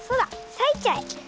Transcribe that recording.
さいちゃえ！